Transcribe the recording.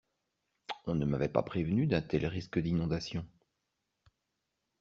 On ne m’avait pas prévenu d'un tel risque d'inondation.